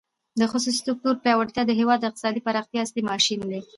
د خصوصي سکتور پیاوړتیا د هېواد د اقتصادي پراختیا اصلي ماشین دی.